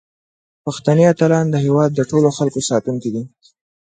پښتني اتلان د هیواد د ټولو خلکو ساتونکي دي.